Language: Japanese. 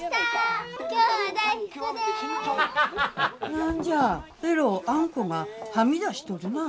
何じゃえろうあんこがはみ出しとるなあ。